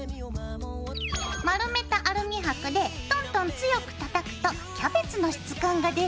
丸めたアルミはくでトントン強く叩くとキャベツの質感が出るよ。